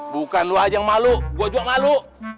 bukan lo aja yang malu gue juga malu